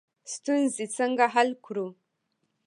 ستونزې څنګه حل کړو؟